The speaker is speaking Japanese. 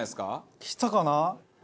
きたかな？